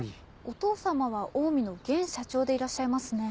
お父様はオウミの現社長でいらっしゃいますね。